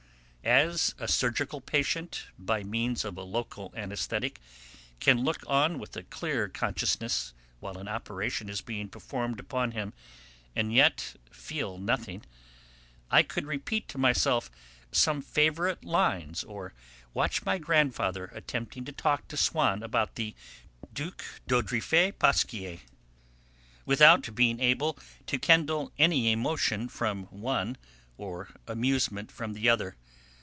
As a surgical patient, by means of a local anaesthetic, can look on with a clear consciousness while an operation is being performed upon him and yet feel nothing, I could repeat to myself some favourite lines, or watch my grandfather attempting to talk to Swann about the Duc d'Audriffet Pasquier, without being able to kindle any emotion from one or amusement from the other.